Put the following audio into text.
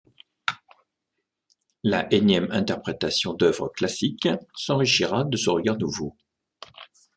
La énième interprétation d'œuvres classiques s'enrichira de ce regard nouveau.